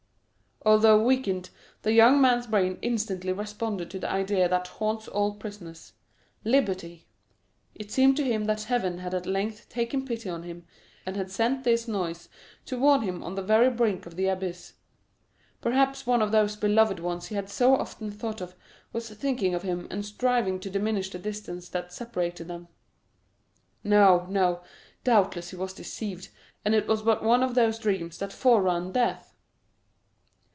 Although weakened, the young man's brain instantly responded to the idea that haunts all prisoners—liberty! It seemed to him that heaven had at length taken pity on him, and had sent this noise to warn him on the very brink of the abyss. Perhaps one of those beloved ones he had so often thought of was thinking of him, and striving to diminish the distance that separated them. No, no, doubtless he was deceived, and it was but one of those dreams that forerun death!